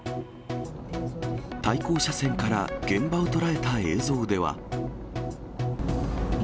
対向車線から現場を捉えた映像では。